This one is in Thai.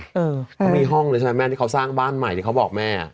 เขามีห้องเลยใช่ไหมแม่ที่เขาสร้างบ้านใหม่ที่เขาบอกแม่